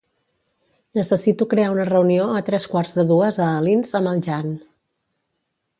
Necessito crear una reunió a tres quarts de dues a Alins amb el Jan.